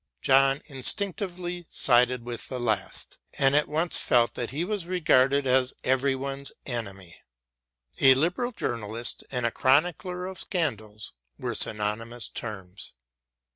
John instinctively sided with the last, and at once felt that he was regarded as every one's enemy. A liberal journalist and a chronicler of scandals were synonymous terms.